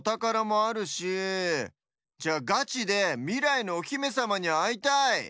じゃあガチでみらいのおひめさまにあいたい。